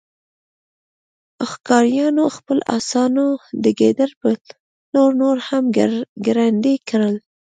ښکاریانو خپل آسونه د ګیدړ په لور نور هم ګړندي کړل